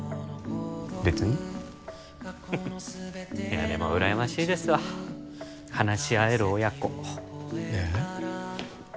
別にいやでもうらやましいですわ話し合える親子ええ？